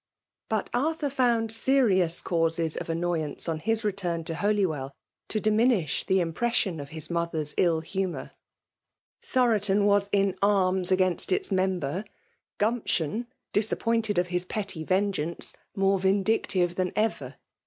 But Arthur found serkmstxiudos of annoy ance on his return to Holy well, to dtminish' life tinpresaion of his mother's ill humour. Thoaro . ton, was in arms against its member ; Gumption, disaj^pointed of his petty vengeance^ more vin dictive than ever.